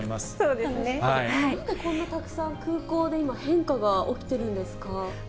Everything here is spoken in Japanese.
なんでこんなたくさん、空港で今、変化が起きてるんですか。